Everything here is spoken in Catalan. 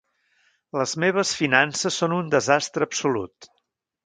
Les meves finances són un desastre absolut.